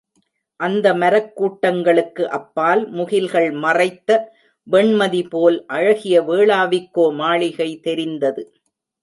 அந்த மரக் கூட்டங்களுக்கு அப்பால் முகில்கள் மறைத்த வெண்மதிபோல் அழகிய வேளாவிக்கோ மாளிகை தெரிந்தது.